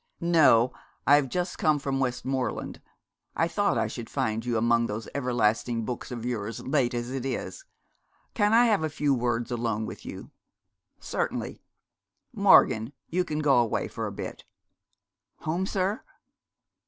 'No; I've just come from Westmoreland. I thought I should find you among those everlasting books of yours, late as it is. Can I have a few words alone with you?' 'Certainly. Morgan, you can go away for a bit.' 'Home, sir?'